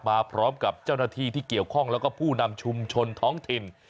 มาพร้อมกับเจ้าหน้าที่ที่เกี่ยวข้องแล้วก็ผู้นำชุมชนท้องถิ่น